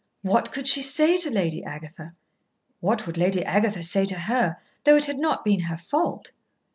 What could she say to Lady Agatha? What would Lady Agatha say to her, though it had not been her fault?